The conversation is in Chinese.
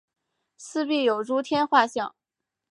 四壁有诸天画像。